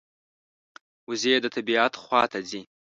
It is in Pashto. وزې د طبعیت خوا ته ځي